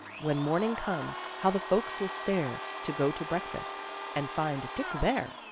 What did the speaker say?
When morning comes, how the folks will stare, To go to breakfast and find Dick there."